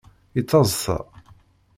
Yettaḍṣa.